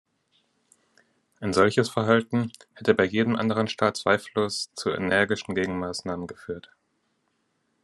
Ein solches Verhalten hätte bei jedem anderen Staat zweifellos zu energischen Gegenmaßnahmen geführt.